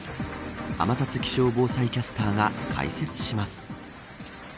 天達気象防災キャスターが解説します。